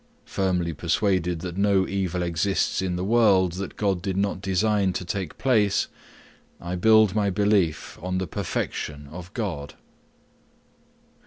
Firmly persuaded that no evil exists in the world that God did not design to take place, I build my belief on the perfection of God.